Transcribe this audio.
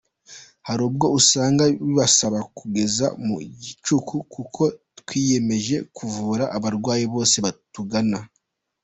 Hari ubwo usanga bibasaba kugeza mu gicuku kuko twiyemeje kuvura abarwayi bose batugana.